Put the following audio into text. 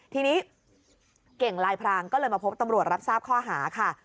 ทีนี้เก่งลายพรางก็เลยมาพบตำรวจรับทราบข้อหาค่ะ